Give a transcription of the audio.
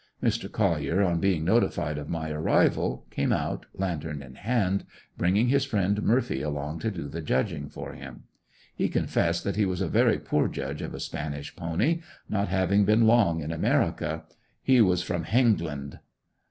Mr. Collier, on being notified of my arrival, came out, lantern in hand, bringing his friend Murphy along to do the judging for him. He confessed that he was a very poor judge of a spanish pony, not having been long in America. He was from "Hengland."